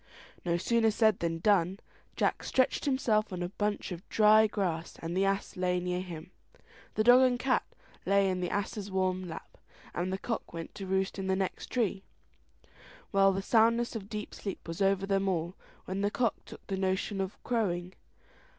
No sooner said than done. Jack stretched himself on a bunch of dry grass, the ass lay near him, the dog and cat lay in the ass's warm lap, and the cock went to roost in the next tree. Well, the soundness of deep sleep was over them all, when the cock took a notion of crowing.